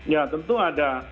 ya tentu ada